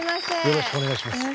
よろしくお願いします。